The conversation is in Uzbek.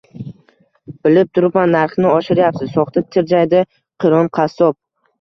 – Bilib turibman, narxini oshiryapsiz, – soxta tirjaydi Qiron qassob